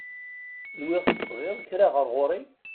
Nwiɣ tebɣiḍ kra ɣer ɣur-i?